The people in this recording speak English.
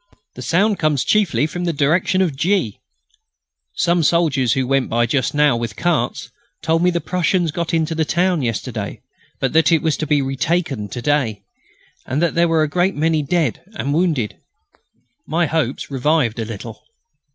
The sound comes chiefly from the direction of G. Some soldiers, who went by just now with carts, told me the Prussians got into the town yesterday, but that it was to be retaken to day; and that there were a great many dead and wounded." My hopes revived a little.